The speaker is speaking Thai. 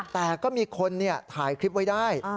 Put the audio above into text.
แต่ก็มีคนถ่ายคลิปไว้ได้